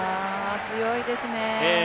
強いですね。